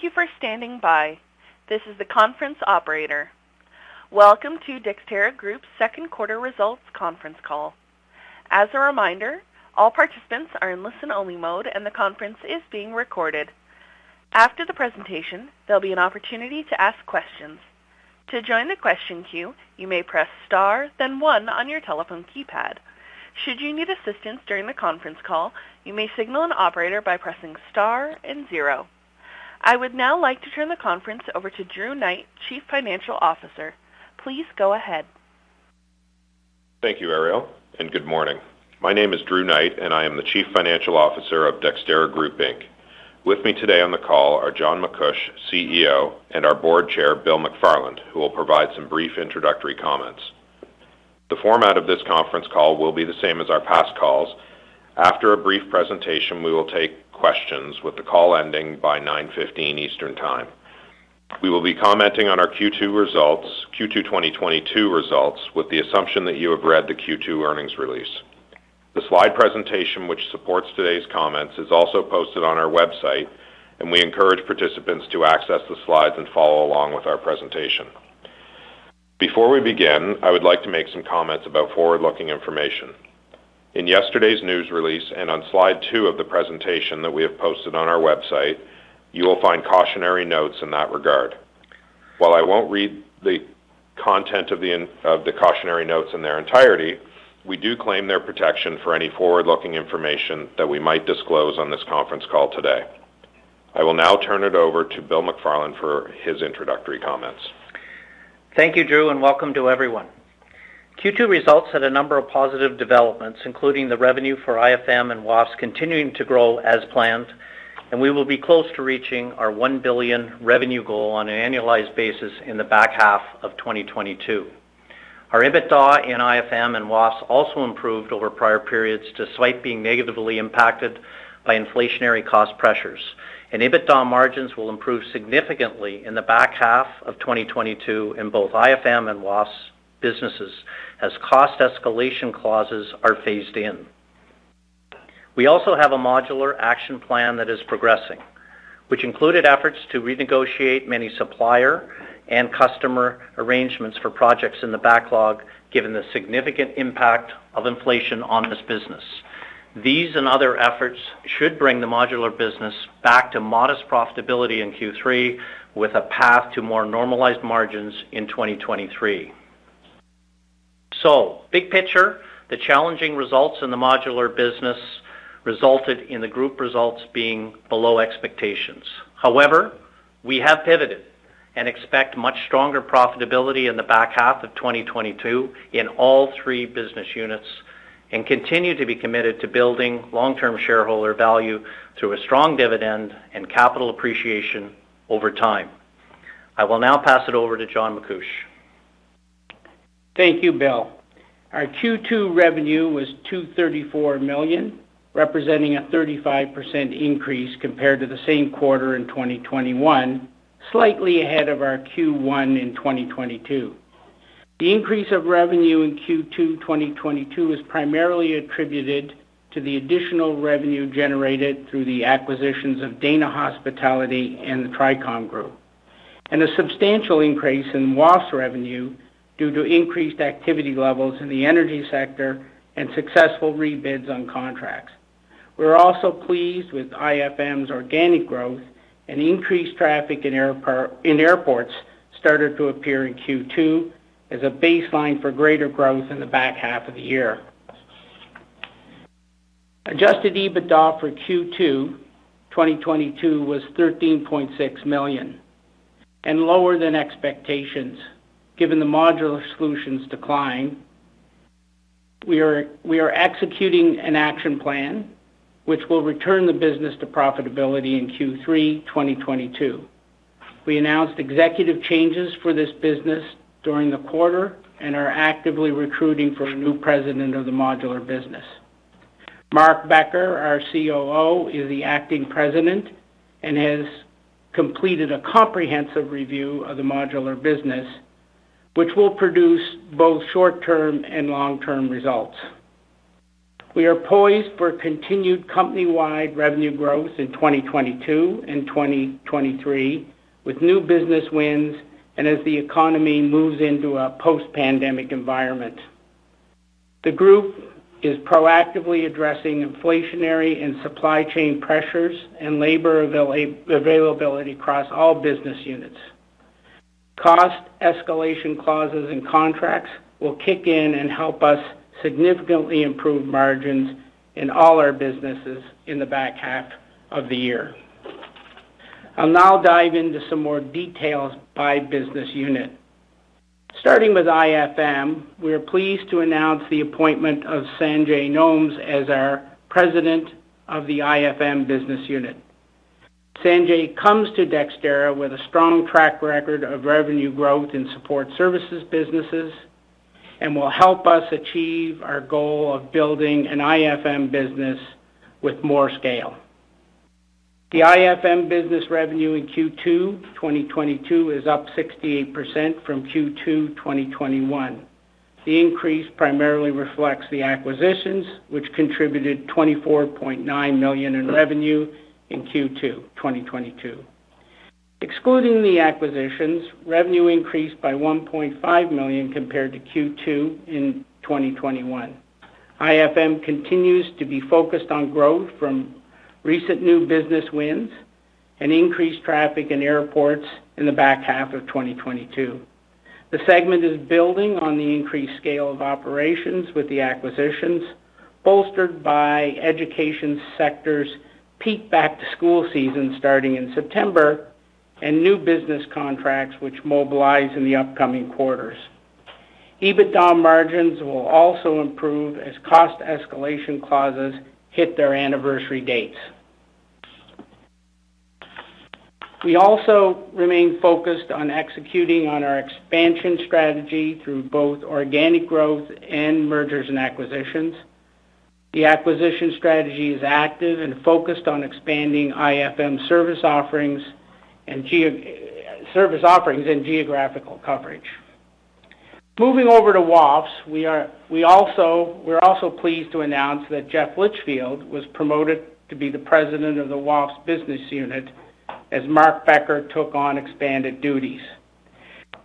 Thank you for standing by. This is the conference operator. Welcome to Dexterra Group's second quarter results conference call. As a reminder, all participants are in listen-only mode and the conference is being recorded. After the presentation, there'll be an opportunity to ask questions. To join the question queue, you may press star, then one on your telephone keypad. Should you need assistance during the conference call, you may signal an operator by pressing star and zero. I would now like to turn the conference over to Drew Knight, Chief Financial Officer. Please go ahead. Thank you, Arielle, and good morning. My name is Drew Knight and I am the Chief Financial Officer of Dexterra Group Inc. With me today on the call are John MacCuish, CEO, and our Board Chair, Bill McFarland, who will provide some brief introductory comments. The format of this conference call will be the same as our past calls. After a brief presentation, we will take questions with the call ending by 9:15 A.M. Eastern Time. We will be commenting on our Q2 results, Q2 2022 results with the assumption that you have read the Q2 earnings release. The slide presentation, which supports today's comments, is also posted on our website, and we encourage participants to access the slides and follow along with our presentation. Before we begin, I would like to make some comments about forward-looking information. In yesterday's news release and on slide two of the presentation that we have posted on our website, you will find cautionary notes in that regard. While I won't read the content of the cautionary notes in their entirety, we do claim their protection for any forward-looking information that we might disclose on this conference call today. I will now turn it over to Bill McFarland for his introductory comments. Thank you, Drew, and welcome to everyone. Q2 results had a number of positive developments, including the revenue for IFM and WAFES continuing to grow as planned, and we will be close to reaching our 1 billion revenue goal on an annualized basis in the back half of 2022. Our EBITDA in IFM and WAFES also improved over prior periods despite being negatively impacted by inflationary cost pressures. EBITDA margins will improve significantly in the back half of 2022 in both IFM and WAFES businesses as cost escalation clauses are phased in. We also have a modular action plan that is progressing, which included efforts to renegotiate many supplier and customer arrangements for projects in the backlog given the significant impact of inflation on this business. These and other efforts should bring the modular business back to modest profitability in Q3 with a path to more normalized margins in 2023. Big picture, the challenging results in the modular business resulted in the group results being below expectations. However, we have pivoted and expect much stronger profitability in the back half of 2022 in all three business units and continue to be committed to building long-term shareholder value through a strong dividend and capital appreciation over time. I will now pass it over to John MacCuish. Thank you, Bill. Our Q2 revenue was 234 million, representing a 35% increase compared to the same quarter in 2021, slightly ahead of our Q1 in 2022. The increase of revenue in Q2 2022 is primarily attributed to the additional revenue generated through the acquisitions of Dana Hospitality and the Tricom Group, and a substantial increase in WAFES revenue due to increased activity levels in the energy sector and successful rebids on contracts. We are also pleased with IFM's organic growth and increased traffic in airports started to appear in Q2 as a baseline for greater growth in the back half of the year. Adjusted EBITDA for Q2 2022 was 13.6 million and lower than expectations given the Modular Solutions decline. We are executing an action plan which will return the business to profitability in Q3 2022. We announced executive changes for this business during the quarter and are actively recruiting for a new president of the modular business. Mark Becker, our COO, is the acting president and has completed a comprehensive review of the modular business, which will produce both short-term and long-term results. We are poised for continued company-wide revenue growth in 2022 and 2023 with new business wins and as the economy moves into a post-pandemic environment. The group is proactively addressing inflationary and supply chain pressures and labor availability across all business units. Cost escalation clauses and contracts will kick in and help us significantly improve margins in all our businesses in the back half of the year. I'll now dive into some more details by business unit. Starting with IFM, we are pleased to announce the appointment of Sanjay Gomes as our President of the IFM business unit. Sanjay comes to Dexterra with a strong track record of revenue growth in support services businesses and will help us achieve our goal of building an IFM business with more scale. The IFM business revenue in Q2 2022 is up 68% from Q2 2021. The increase primarily reflects the acquisitions, which contributed 24.9 million in revenue in Q2 2022. Excluding the acquisitions, revenue increased by 1.5 million compared to Q2 in 2021. IFM continues to be focused on growth from recent new business wins and increased traffic in airports in the back half of 2022. The segment is building on the increased scale of operations with the acquisitions, bolstered by education sector's peak back-to-school season starting in September and new business contracts which mobilize in the upcoming quarters. EBITDA margins will also improve as cost escalation clauses hit their anniversary dates. We also remain focused on executing on our expansion strategy through both organic growth and mergers and acquisitions. The acquisition strategy is active and focused on expanding IFM service offerings and service offerings and geographical coverage. Moving over to WAFES, we're also pleased to announce that Jeff Litchfield was promoted to be the President of the WAFES business unit as Mark Becker took on expanded duties.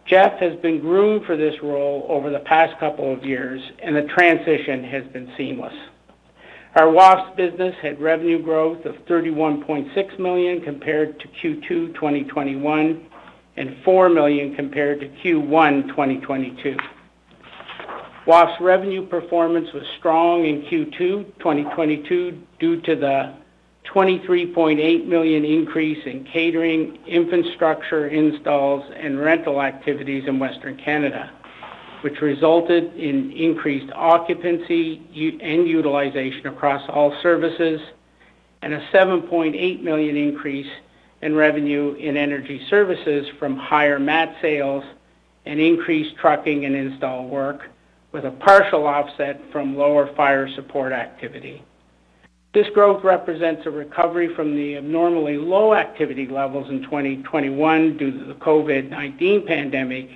Jeff has been groomed for this role over the past couple of years, and the transition has been seamless. Our WAFES business had revenue growth of 31.6 million compared to Q2 2021 and 4 million compared to Q1 2022. WAFES revenue performance was strong in Q2 2022 due to the 23.8 million increase in catering, infrastructure installs, and rental activities in Western Canada, which resulted in increased occupancy and utilization across all services and a 7.8 million increase in revenue in energy services from higher mat sales and increased trucking and install work with a partial offset from lower fire support activity. This growth represents a recovery from the abnormally low activity levels in 2021 due to the COVID-19 pandemic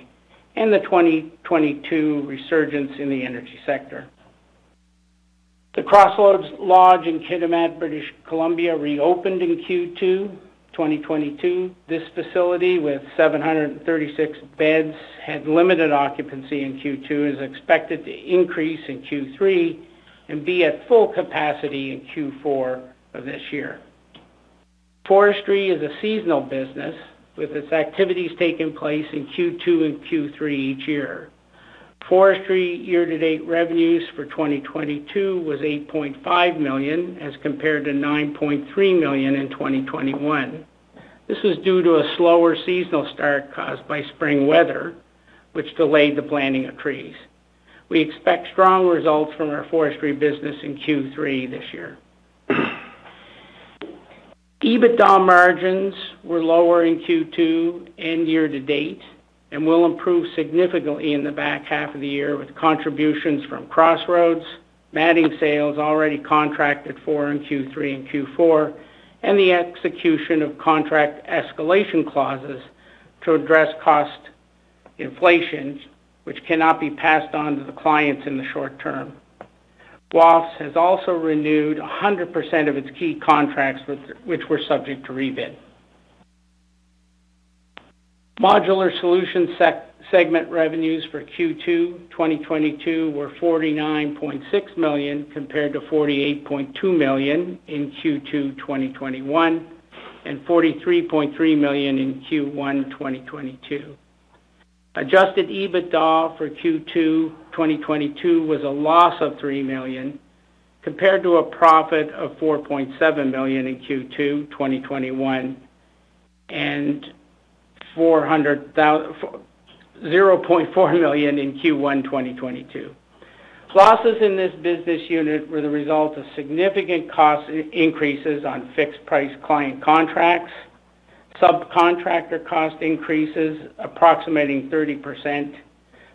and the 2022 resurgence in the energy sector. The Crossroads Lodge in Kitimat, British Columbia reopened in Q2 2022. This facility with 736 beds had limited occupancy in Q2. It is expected to increase in Q3 and be at full capacity in Q4 of this year. Forestry is a seasonal business with its activities taking place in Q2 and Q3 each year. Forestry year-to-date revenues for 2022 was 8.5 million as compared to 9.3 million in 2021. This was due to a slower seasonal start caused by spring weather, which delayed the planting of trees. We expect strong results from our forestry business in Q3 this year. EBITDA margins were lower in Q2 and year-to-date and will improve significantly in the back half of the year with contributions from Crossroads, matting sales already contracted for in Q3 and Q4, and the execution of contract escalation clauses to address cost inflations, which cannot be passed on to the clients in the short term. WAFES has also renewed 100% of its key contracts which were subject to rebid. Modular Solutions segment revenues for Q2 2022 were 49.6 million compared to 48.2 million in Q2 2021 and 43.3 million in Q1 2022. Adjusted EBITDA for Q2 2022 was a loss of 3 million compared to a profit of 4.7 million in Q2 2021 and 0.4 million in Q1 2022. Losses in this business unit were the result of significant cost increases on fixed price client contracts, subcontractor cost increases approximating 30%,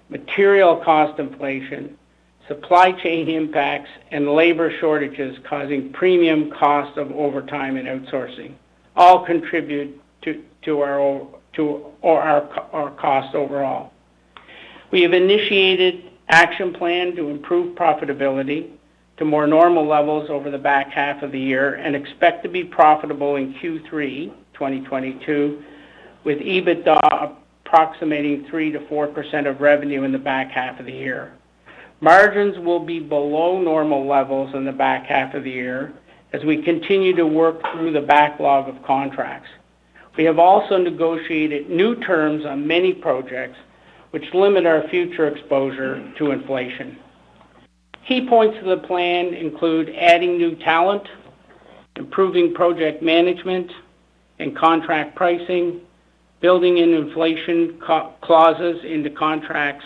material cost inflation, supply chain impacts, and labor shortages causing premium costs of overtime and outsourcing, all contribute to our overall cost. We have initiated action plan to improve profitability to more normal levels over the back half of the year and expect to be profitable in Q3 2022 with EBITDA approximating 3%-4% of revenue in the back half of the year. Margins will be below normal levels in the back half of the year as we continue to work through the backlog of contracts. We have also negotiated new terms on many projects which limit our future exposure to inflation. Key points of the plan include adding new talent, improving project management and contract pricing, building in inflation clauses into contracts,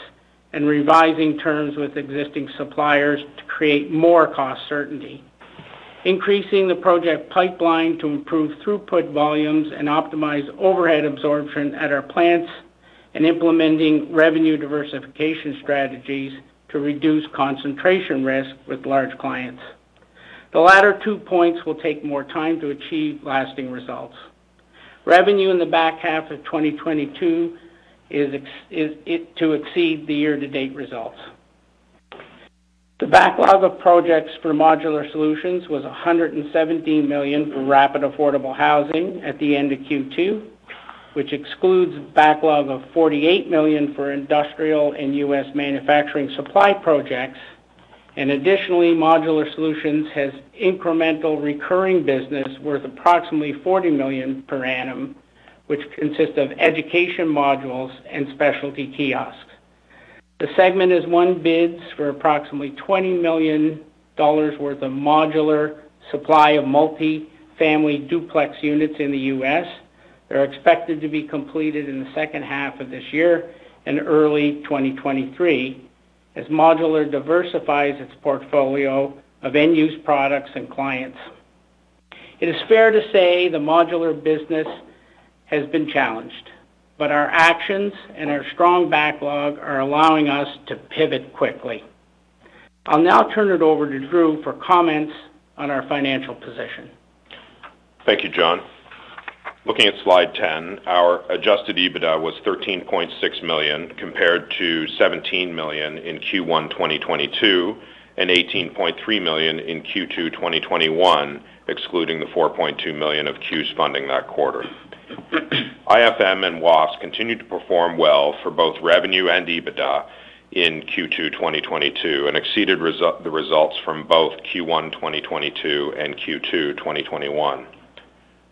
and revising terms with existing suppliers to create more cost certainty. Increasing the project pipeline to improve throughput volumes and optimize overhead absorption at our plants and implementing revenue diversification strategies to reduce concentration risk with large clients. The latter two points will take more time to achieve lasting results. Revenue in the back half of 2022 is expected to exceed the year-to-date results. The backlog of projects for Modular Solutions was 117 million for rapid affordable housing at the end of Q2, which excludes backlog of 48 million for industrial and US manufacturing supply projects. Additionally, Modular Solutions has incremental recurring business worth approximately 40 million per annum, which consists of education modules and specialty kiosks. The segment has won bids for approximately $20 million worth of modular supply of multifamily duplex units in the U.S.. They are expected to be completed in the second half of this year and early 2023 as Modular diversifies its portfolio of end-use products and clients. It is fair to say the Modular business has been challenged, but our actions and our strong backlog are allowing us to pivot quickly. I'll now turn it over to Drew for comments on our financial position. Thank you, John. Looking at slide 10, our adjusted EBITDA was 13.6 million, compared to 17 million in Q1 2022, and 18.3 million in Q2 2021, excluding the 4.2 million of CEWS funding that quarter. IFM and WAFES continued to perform well for both revenue and EBITDA in Q2 2022 and exceeded the results from both Q1 2022 and Q2 2021.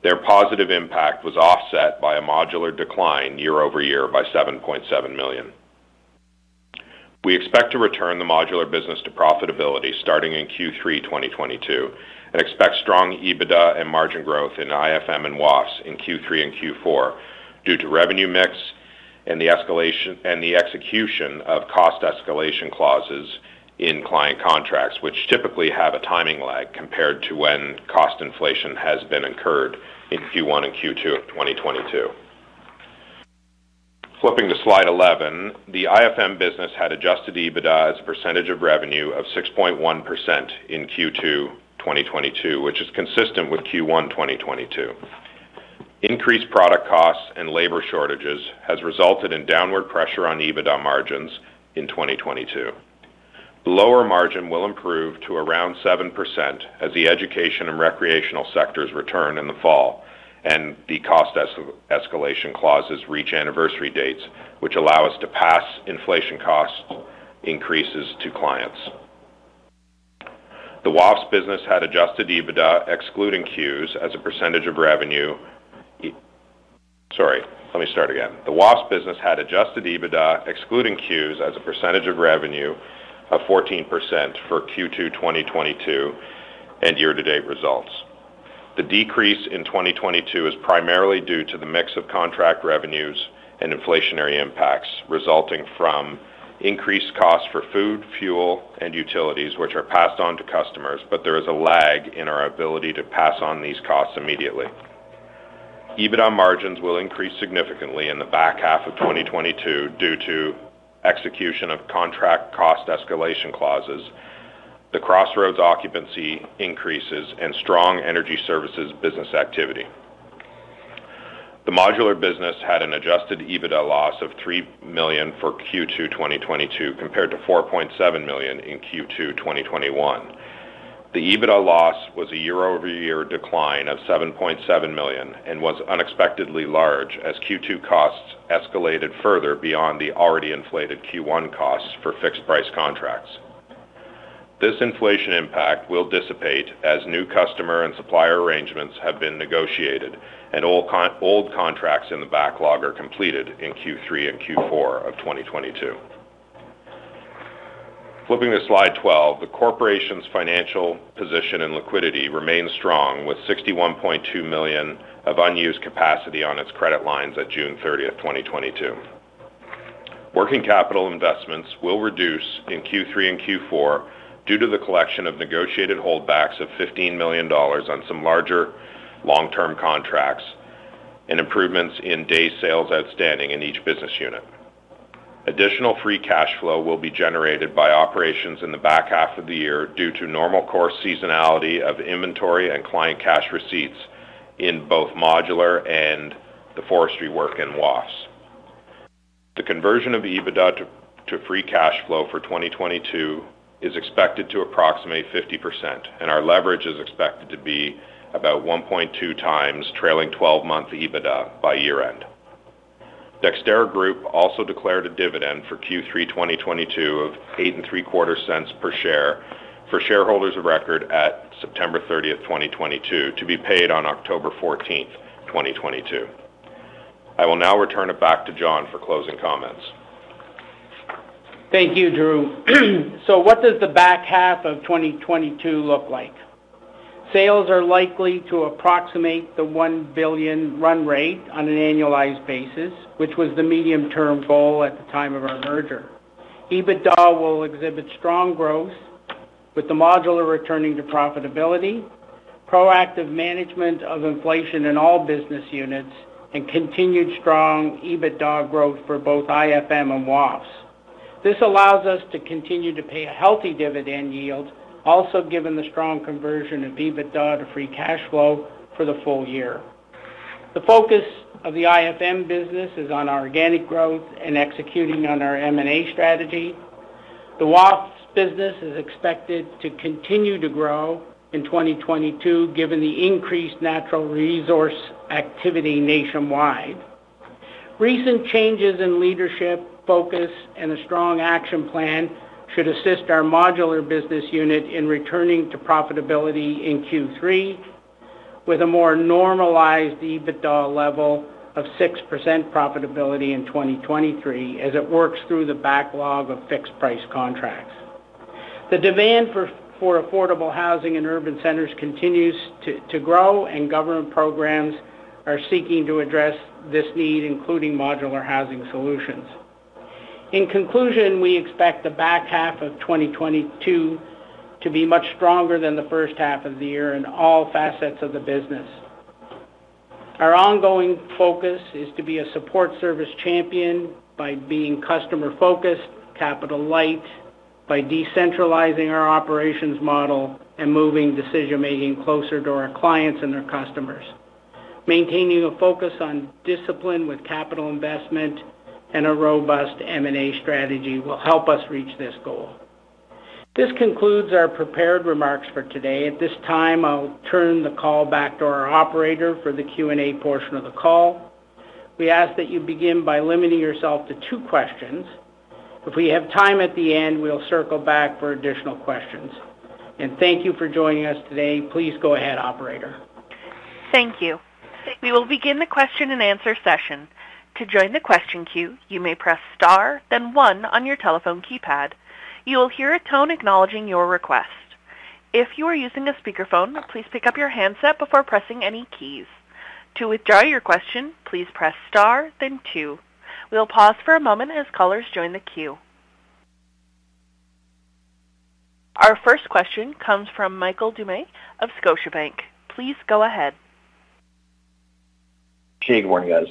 Their positive impact was offset by a Modular decline year-over-year by 7.7 million. We expect to return the Modular business to profitability starting in Q3 2022 and expect strong EBITDA and margin growth in IFM and WAFES in Q3 and Q4 due to revenue mix and the escalation and the execution of cost escalation clauses in client contracts, which typically have a timing lag compared to when cost inflation has been incurred in Q1 and Q2 of 2022. Flipping to slide 11, the IFM business had adjusted EBITDA as a percentage of revenue of 6.1% in Q2 2022, which is consistent with Q1 2022. Increased product costs and labor shortages has resulted in downward pressure on EBITDA margins in 2022. The lower margin will improve to around 7% as the education and recreational sectors return in the fall, and the cost escalation clauses reach anniversary dates, which allow us to pass inflation cost increases to clients. The WAFES business had adjusted EBITDA excluding CEWS as a percentage of revenue of 14% for Q2 2022 and year-to-date results. The decrease in 2022 is primarily due to the mix of contract revenues and inflationary impacts resulting from increased costs for food, fuel, and utilities, which are passed on to customers, but there is a lag in our ability to pass on these costs immediately. EBITDA margins will increase significantly in the back half of 2022 due to execution of contract cost escalation clauses. The Crossroads occupancy increases and strong energy services business activity. The Modular business had an adjusted EBITDA loss of 3 million for Q2 2022, compared to 4.7 million in Q2 2021. The EBITDA loss was a year-over-year decline of 7.7 million and was unexpectedly large as Q2 costs escalated further beyond the already inflated Q1 costs for fixed price contracts. This inflation impact will dissipate as new customer and supplier arrangements have been negotiated, and old contracts in the backlog are completed in Q3 and Q4 of 2022. Flipping to slide 12, the corporation's financial position and liquidity remain strong, with 61.2 million of unused capacity on its credit lines at June 30th, 2022. Working capital investments will reduce in Q3 and Q4 due to the collection of negotiated holdbacks of 15 million dollars on some larger long-term contracts and improvements in day sales outstanding in each business unit. Additional free cash flow will be generated by operations in the back half of the year due to normal course seasonality of inventory and client cash receipts in both Modular and the forestry work in WAFES. The conversion of EBITDA to free cash flow for 2022 is expected to approximate 50%, and our leverage is expected to be about 1.2x trailing 12-month EBITDA by year-end. Dexterra Group also declared a dividend for Q3 2022 of 0.0875 per share for shareholders of record at September thirtieth, 2022, to be paid on October 14th, 2022. I will now return it back to John for closing comments. Thank you, Drew. What does the back half of 2022 look like? Sales are likely to approximate the 1 billion run rate on an annualized basis, which was the medium-term goal at the time of our merger. EBITDA will exhibit strong growth, with the Modular returning to profitability, proactive management of inflation in all business units, and continued strong EBITDA growth for both IFM and WAFES. This allows us to continue to pay a healthy dividend yield, also given the strong conversion of EBITDA to free cash flow for the full year. The focus of the IFM business is on our organic growth and executing on our M&A strategy. The WAFES business is expected to continue to grow in 2022, given the increased natural resource activity nationwide. Recent changes in leadership focus and a strong action plan should assist our modular business unit in returning to profitability in Q3 with a more normalized EBITDA level of 6% profitability in 2023 as it works through the backlog of fixed-price contracts. The demand for affordable housing in urban centers continues to grow, and government programs are seeking to address this need, including modular housing solutions. In conclusion, we expect the back half of 2022 to be much stronger than the first half of the year in all facets of the business. Our ongoing focus is to be a support service champion by being customer-focused, capital light, by decentralizing our operations model and moving decision-making closer to our clients and their customers. Maintaining a focus on discipline with capital investment and a robust M&A strategy will help us reach this goal. This concludes our prepared remarks for today. At this time, I'll turn the call back to our operator for the Q&A portion of the call. We ask that you begin by limiting yourself to two questions. If we have time at the end, we'll circle back for additional questions. Thank you for joining us today. Please go ahead, operator. Thank you. We will begin the question and answer session. To join the question queue, you may press star then one on your telephone keypad. You will hear a tone acknowledging your request. If you are using a speakerphone, please pick up your handset before pressing any keys. To withdraw your question, please press star then two. We'll pause for a moment as callers join the queue. Our first question comes from Michael Doumet of Scotiabank. Please go ahead. Hey, good morning, guys.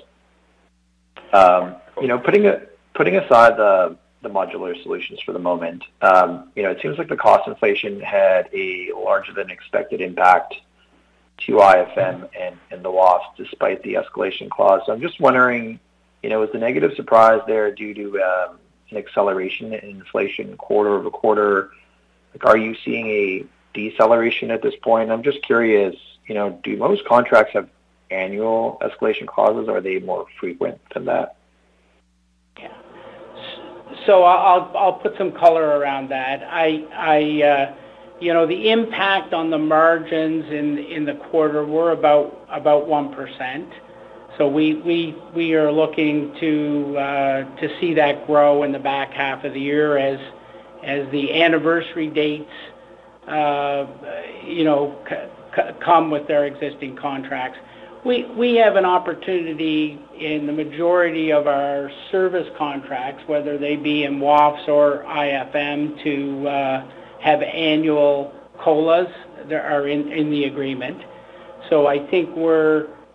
You know, putting aside the modular solutions for the moment, you know, it seems like the cost inflation had a larger than expected impact to IFM and the loss despite the escalation clause. I'm just wondering, you know, is the negative surprise there due to an acceleration in inflation quarter-over-quarter? Are you seeing a deceleration at this point? I'm just curious, you know, do most contracts have annual escalation clauses? Are they more frequent than that? Yeah. I'll put some color around that. You know, the impact on the margins in the quarter were about 1%. We are looking to see that grow in the back half of the year as the anniversary dates come with their existing contracts. We have an opportunity in the majority of our service contracts, whether they be in WAFES or IFM, to have annual COLAs. They are in the agreement. I think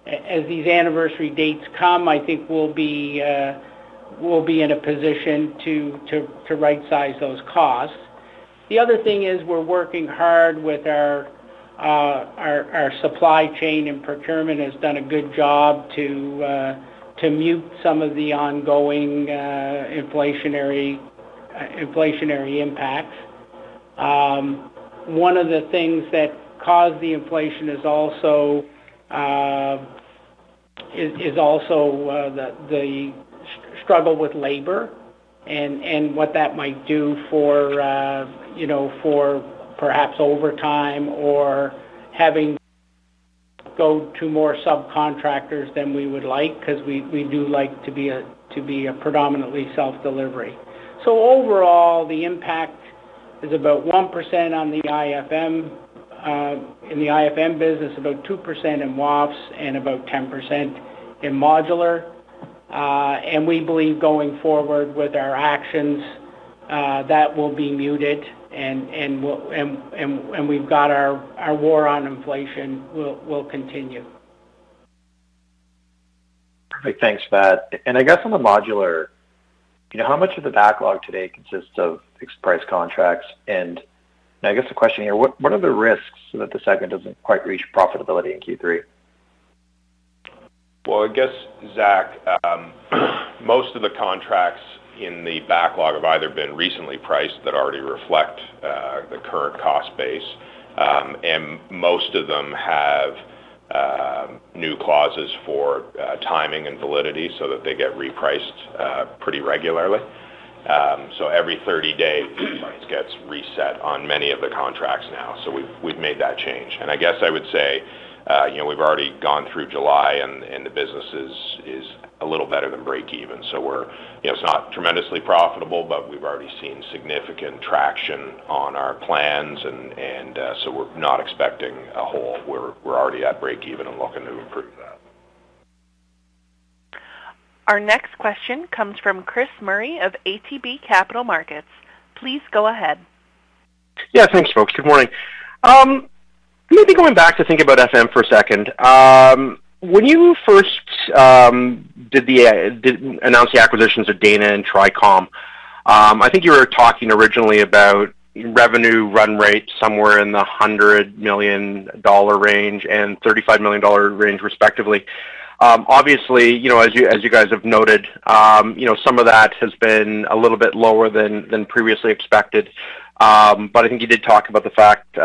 as these anniversary dates come, I think we'll be in a position to right-size those costs. The other thing is we're working hard with our supply chain and procurement has done a good job to mute some of the ongoing inflationary impacts. One of the things that caused the inflation is also the struggle with labor and what that might do for, you know, for perhaps overtime or having to go to more subcontractors than we would like, because we do like to be a predominantly self-delivery. Overall, the impact is about 1% on the IFM in the IFM business, about 2% in WAFES, and about 10% in modular. We believe going forward with our actions that will be muted and we'll and we've got our war on inflation will continue. Perfect. Thanks for that. I guess on the modular, you know how much of the backlog today consists of fixed price contracts? I guess the question here, what are the risks that the segment doesn't quite reach profitability in Q3? Well, I guess, Zach, most of the contracts in the backlog have either been recently priced that already reflect the current cost base. Most of them have new clauses for timing and validity so that they get repriced pretty regularly. Every 30 days price gets reset on many of the contracts now. We've made that change. I guess I would say, you know, we've already gone through July and the business is a little better than breakeven. We're, you know, it's not tremendously profitable, but we've already seen significant traction on our plans. We're already at breakeven and looking to improve that. Our next question comes from Chris Murray of ATB Capital Markets. Please go ahead. Yeah, thanks folks. Good morning. Maybe going back to think about FM for a second. When you first did announce the acquisitions of Dana and Tricom, I think you were talking originally about revenue run rate somewhere in the 100 million dollar range and 35 million dollar range respectively. Obviously, you know, as you guys have noted, you know, some of that has been a little bit lower than previously expected. I think you did talk about the fact,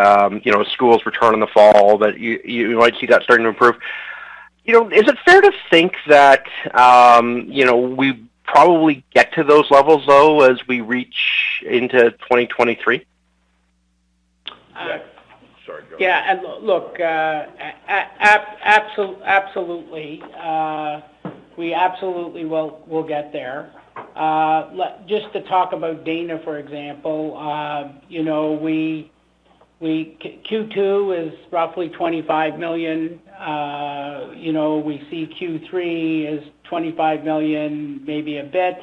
you know, schools return in the fall, that you might see that starting to improve. You know, is it fair to think that, you know, we probably get to those levels though, as we reach into 2023? Yeah. Sorry, go ahead. Yeah. Look, absolutely. We absolutely will get there. Just to talk about Dana, for example, you know, Q2 is roughly 25 million. You know, we see Q3 as 25 million, maybe a bit.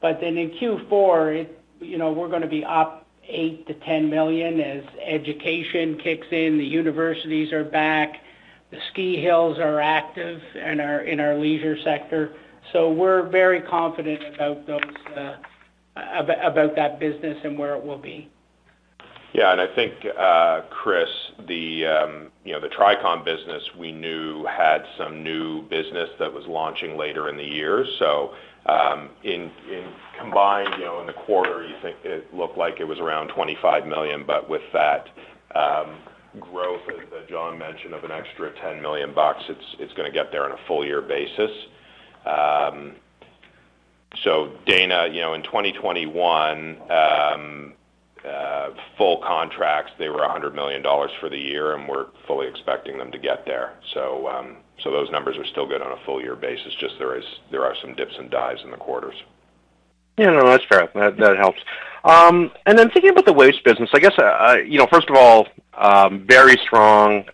Then in Q4, you know, we're gonna be up 8 million-10 million as education kicks in, the universities are back, the ski hills are active in our leisure sector. We're very confident about that business and where it will be. Yeah. I think, Chris, the Tricom business we knew had some new business that was launching later in the year. In combined, you know, in the quarter, you think it looked like it was around 25 million, but with that growth as John mentioned of an extra 10 million bucks, it's gonna get there on a full year basis. Dana, you know, in 2021, full contracts, they were 100 million dollars for the year, and we're fully expecting them to get there. Those numbers are still good on a full year basis, just there are some dips and dives in the quarters. Yeah, no, that's fair. That helps. Then thinking about the WAFES business, I guess, you know, first of all, very strong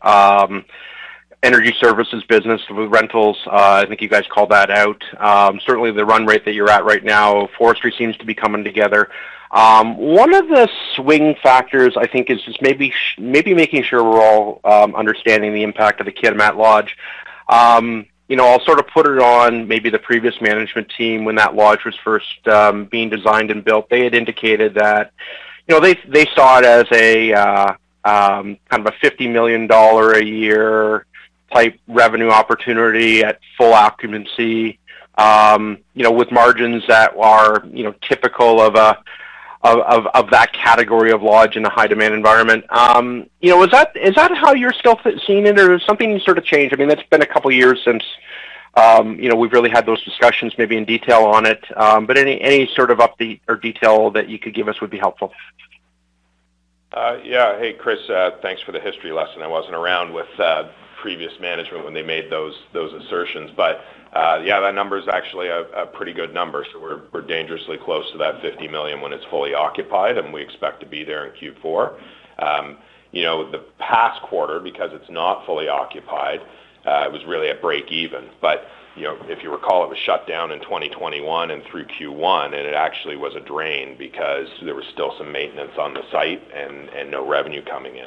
energy services business with rentals. I think you guys called that out. Certainly the run rate that you're at right now, forestry seems to be coming together. One of the swing factors, I think, is just maybe making sure we're all understanding the impact of the Kitimat Lodge. You know, I'll sort of put it on maybe the previous management team when that lodge was first being designed and built. They had indicated that, you know, they saw it as a kind of a 50 million dollar a year type revenue opportunity at full occupancy, you know, with margins that are, you know, typical of that category of lodge in a high demand environment. You know, is that how you're still seeing it or something sort of changed? I mean, it's been a couple of years since, you know, we've really had those discussions maybe in detail on it. Any sort of update or detail that you could give us would be helpful. Yeah. Hey, Chris, thanks for the history lesson. I wasn't around with previous management when they made those assertions. Yeah, that number is actually a pretty good number. We're dangerously close to that 50 million when it's fully occupied, and we expect to be there in Q4. You know, the past quarter, because it's not fully occupied, it was really a break even. You know, if you recall, it was shut down in 2021 and through Q1, and it actually was a drain because there was still some maintenance on the site and no revenue coming in.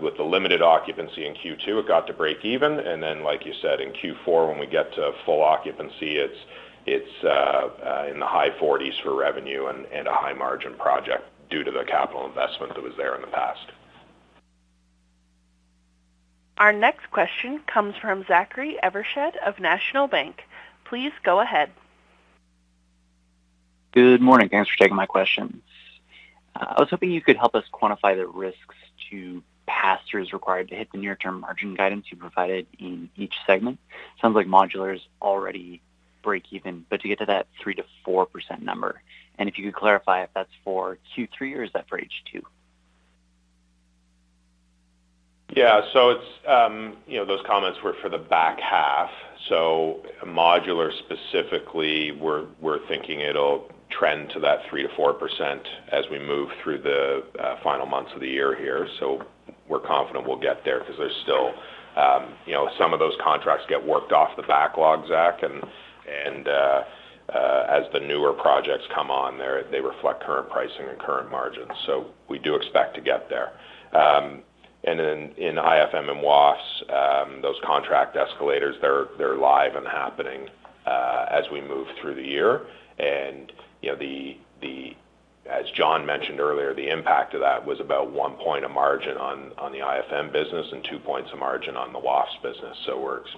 With the limited occupancy in Q2, it got to break even. Like you said, in Q4, when we get to full occupancy, it's in the high forties for revenue and a high margin project due to the capital investment that was there in the past. Our next question comes from Zachary Evershed of National Bank. Please go ahead. Good morning. Thanks for taking my questions. I was hoping you could help us quantify the puts and takes required to hit the near-term margin guidance you provided in each segment. Sounds like Modular is already breakeven, but to get to that 3%-4% number, and if you could clarify if that's for Q3 or is that for H2. Yeah. It's, you know, those comments were for the back half. Modular specifically, we're thinking it'll trend to that 3%-4% as we move through the final months of the year here. We're confident we'll get there because there's still, you know, some of those contracts get worked off the backlog, Zach, and as the newer projects come on there, they reflect current pricing and current margins. We do expect to get there. Then in IFM and WAFES, those contract escalators, they're live and happening as we move through the year. You know, as John mentioned earlier, the impact of that was about one point of margin on the IFM business and two points of margin on the WAFES business.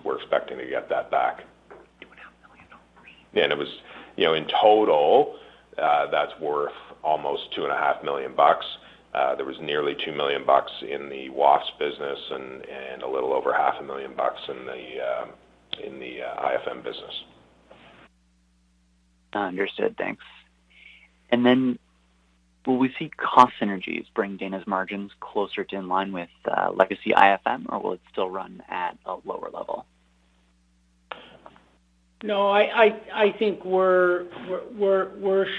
We're expecting to get that back. CAD 2.5 million on three. Yeah. It was, you know, in total, that's worth almost 2.5 million bucks. There was nearly 2 million bucks in the WAFES business and a little over half a million CAD in the IFM business. Understood. Thanks. Will we see cost synergies bring Dana's margins closer to in line with legacy IFM, or will it still run at a lower level? No, I think we're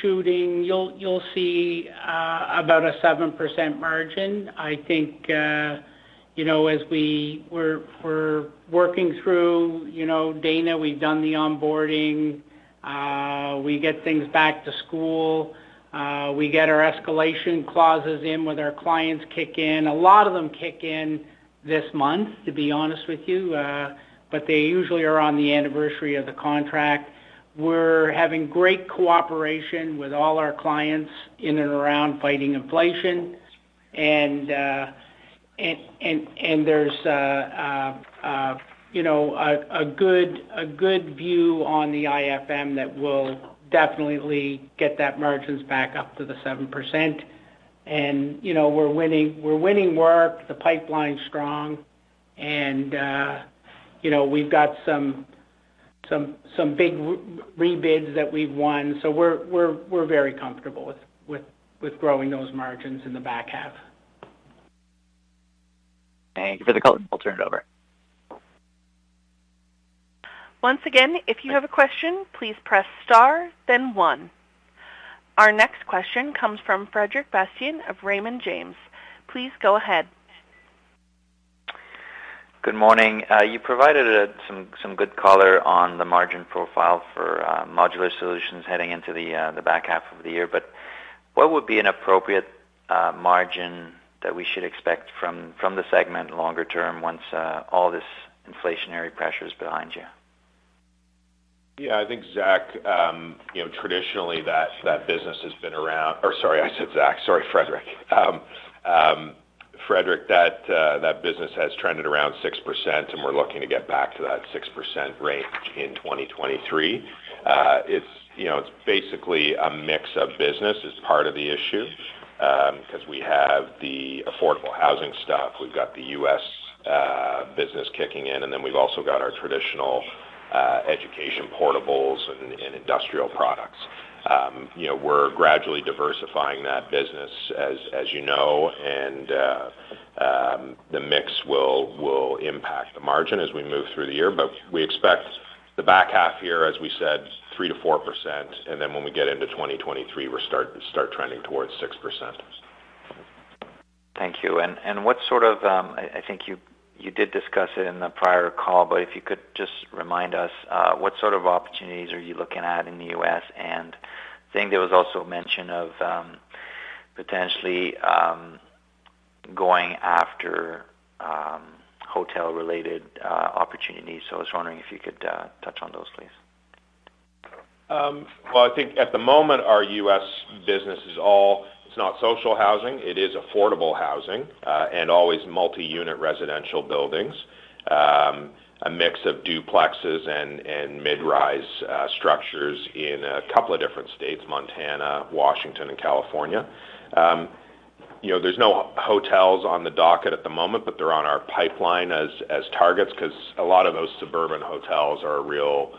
shooting. You'll see about a 7% margin. I think, you know, as we're working through, you know, Dana, we've done the onboarding. We get things back to school, we get our escalation clauses in with our clients kick in. A lot of them kick in this month, to be honest with you, but they usually are on the anniversary of the contract. We're having great cooperation with all our clients in and around fighting inflation. There's a good view on the IFM that will definitely get that margin back up to the 7%. You know, we're winning work. The pipeline's strong and, you know, we've got some big rebids that we've won. We're very comfortable with growing those margins in the back half. Thank you for the call. I'll turn it over. Once again, if you have a question, please press star then one. Our next question comes from Frederic Bastien of Raymond James. Please go ahead. Good morning. You provided some good color on the margin profile for Modular Solutions heading into the back half of the year. What would be an appropriate margin that we should expect from the segment longer term once all this inflationary pressure is behind you? Yeah, I think, Zach. You know, traditionally that business has been around oh sorry, I said Zach sorry Frederic. You know, traditionally that business hastrended around 6%, and we're looking to get back to that 6% range in 2023. It's, you know, it's basically a mix of business is part of the issue, because we have the affordable housing stuff. We've got the U.S. business kicking in, and then we've also got our traditional education portables and industrial products. You know, we're gradually diversifying that business, as you know, and the mix will impact the margin as we move through the year. We expect the back half year, as we said, 3%-4%, and then when we get into 2023, we'll start trending towards 6%. Thank you. I think you did discuss it in the prior call, but if you could just remind us, what sort of opportunities are you looking at in the U.S.? I think there was also mention of potentially going after hotel-related opportunities. I was wondering if you could touch on those, please. I think at the moment, our U.S. business is all. It's not social housing. It is affordable housing, and always multi-unit residential buildings. A mix of duplexes and mid-rise structures in a couple of different states, Montana, Washington, and California. You know, there's no hotels on the docket at the moment, but they're on our pipeline as targets because a lot of those suburban hotels are a real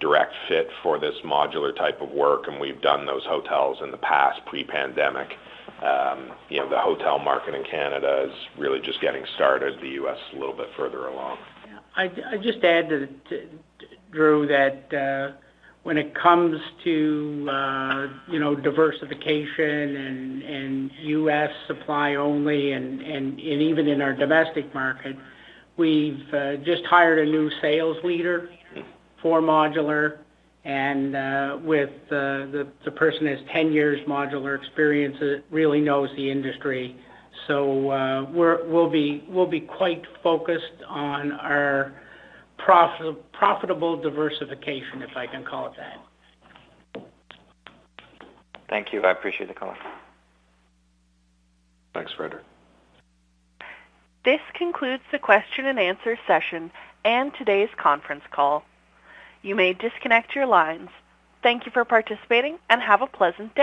direct fit for this modular type of work, and we've done those hotels in the past pre-pandemic. You know, the hotel market in Canada is really just getting started. The U.S. is a little bit further along. Yeah. I'd just add to Drew that when it comes to you know diversification and U.S. supply only and even in our domestic market we've just hired a new sales leader for modular and the person has 10 years modular experience really knows the industry. So we'll be quite focused on our profitable diversification if I can call it that. Thank you. I appreciate the call. Thanks, Frederic. This concludes the question and answer session and today's conference call. You may disconnect your lines. Thank you for participating and have a pleasant day.